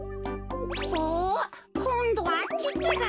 あこんどはあっちってか。